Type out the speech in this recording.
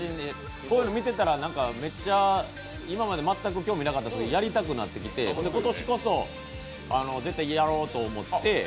こういうのを見ていたら、今まで全く興味がなかったんですけど、やりたくなってきて今年こそ絶対やろうと思って。